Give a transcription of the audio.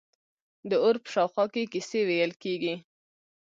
د اور په شاوخوا کې کیسې ویل کیږي.